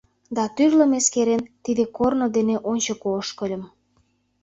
да тӱрлым эскерен, тиде корно дене ончыко ошкыльым.